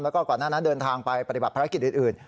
แล้วก็ก่อนหน้านั้นเดินทางไปปฏิบัติภารกิจอื่น